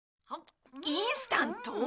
インスタント？